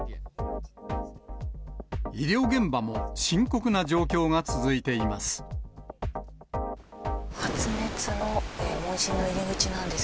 医療現場も深刻な状況が続いています。